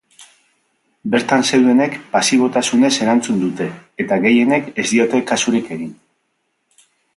Bertan zeudenek pasibotasunez erantzun dute, eta gehienek ez diote kasurik egin.